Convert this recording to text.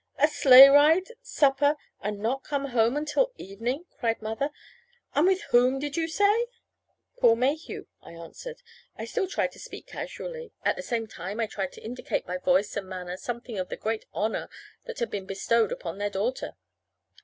"A sleigh ride, supper, and not come home until evening?" cried Mother. "And with whom, did you say?" "Paul Mayhew," I answered. I still tried to speak casually; at the same time I tried to indicate by voice and manner something of the great honor that had been bestowed upon their daughter.